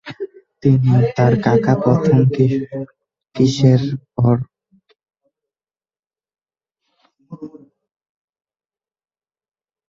তিনি তার কাকা প্রথম কৃষ্ণের পর সিংহাসনে বসেন এবং সমগ্র কর্ণাটক অঞ্চল নিজের অধিকারে আনেন।